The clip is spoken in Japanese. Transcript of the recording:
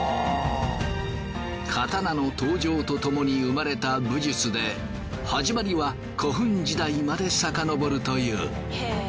刀の登場とともに生まれた武術で始まりは古墳時代まで遡るという。